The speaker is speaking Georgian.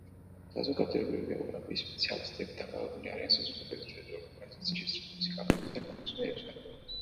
საზოგადოებრივი გეოგრაფიის სპეციალისტები დაკავებული არიან საზოგადოების ტერიტორიული ორგანიზაციის შესწავლით, მისი კანონებისა და კანონზომიერებების გარკვევით.